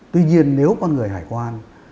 tuy nhiên nếu con người hải quan